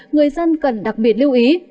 người dân cần đặc biệt lưu ý